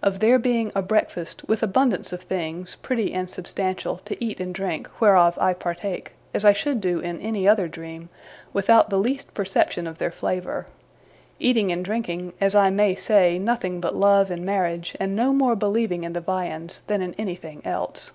Of there being a breakfast, with abundance of things, pretty and substantial, to eat and drink, whereof I partake, as I should do in any other dream, without the least perception of their flavour; eating and drinking, as I may say, nothing but love and marriage, and no more believing in the viands than in anything else.